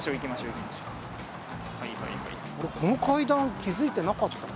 この階段気づいてなかった。